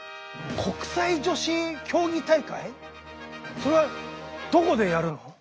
それはどこでやるの？